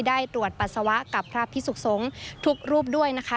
ได้ตรวจปัสสาวะกับพระพิสุขสงฆ์ทุกรูปด้วยนะคะ